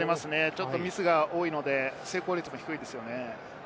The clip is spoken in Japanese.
ちょっとミスが多いので成功率が低いですね。